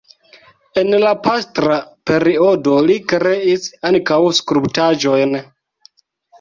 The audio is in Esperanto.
En la pastra periodo li kreis ankaŭ skulptaĵojn.